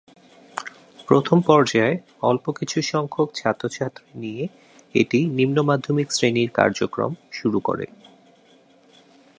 প্রথম পর্যায়ে অল্প কিছু সংখ্যক ছাত্রছাত্রী নিয়ে এটি নিম্ন মাধ্যমিক শ্রেণীর কার্যক্রম শুরু করে।